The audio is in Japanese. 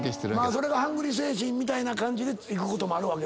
それがハングリー精神みたいな感じでいくこともあるわけですよね。